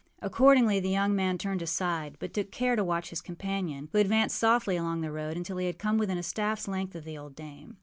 â Accordingly the young man turned aside, but took care to watch his companion, who advanced softly along the road until he had come within a staffâs length of the old dame.